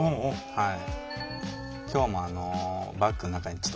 はい。